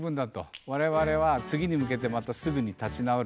「我々は次に向けてまたすぐに立ち直るから」。